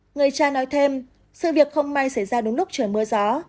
người cha nói thêm sự việc không may xảy ra đúng lúc trời mưa gió